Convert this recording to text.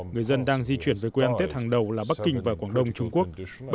người dân đang di chuyển về quê ăn tết hàng đầu là bắc kinh và quảng đông trung quốc